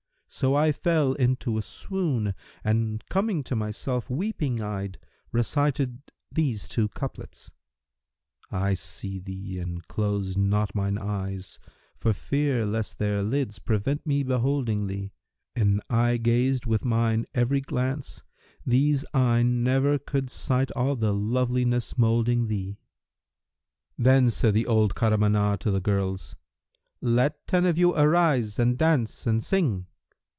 So I fell into a swoon and coming to myself, weeping eyed, recited these two couplets, 'I see thee and close not mine eyes for fear * Lest their lids prevent me beholding thee: An I gazed with mine every glance these eyne * Ne'er could sight all the loveliness moulding thee.'" Then said the old Kahramanah[FN#323] to the girls, "Let ten of you arise and dance and sing."